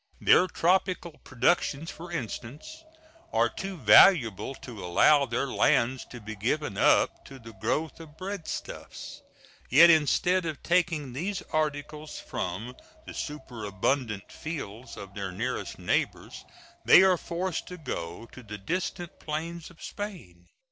Their tropical productions, for instance, are too valuable to allow their lands to be given up to the growth of breadstuffs; yet, instead of taking these articles from the superabundant fields of their nearest neighbors, they are forced to go to the distant plains of Spain.